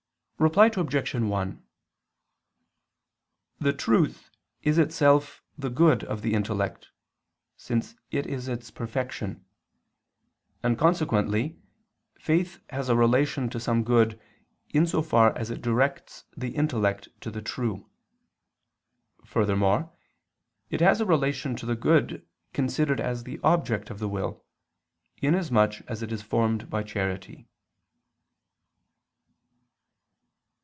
Reply Obj. 1: The truth is itself the good of the intellect, since it is its perfection: and consequently faith has a relation to some good in so far as it directs the intellect to the true. Furthermore, it has a relation to the good considered as the object of the will, inasmuch as it is formed by charity.